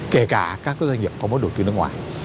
kể cả các doanh nghiệp có vốn đầu tư nước ngoài